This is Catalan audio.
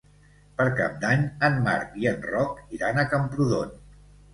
Per Cap d'Any en Marc i en Roc iran a Camprodon.